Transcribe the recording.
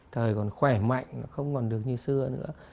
thời còn khỏe mạnh không còn được như xưa nữa